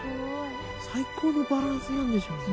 最高のバランスなんでしょうね。